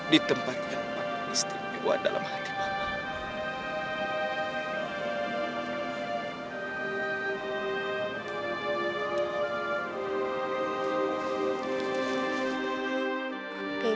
di tempat yang paling istimewa dalam hati bapak